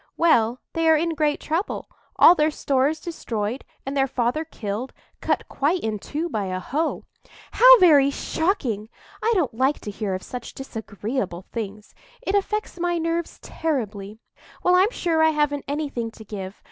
"Well, they are in great trouble; all their stores destroyed, and their father killed—cut quite in two by a hoe." "How very shocking! I don't like to hear of such disagreeable things; it affects my nerves terribly. Well, I'm sure I haven't anything to give.